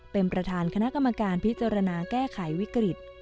เป็นประธานคณะกรรมการพิจารณาแก้ไขวิกฤต